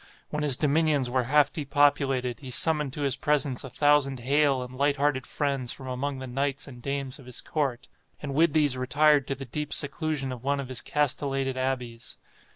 When his dominions were half depopulated, he summoned to his presence a thousand hale and light hearted friends from among the knights and dames of his court, and with these retired to the deep seclusion of one of his castellated abbeys.